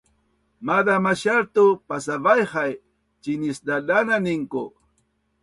Maaz a masial tu pasavai hai cinisdadananin ku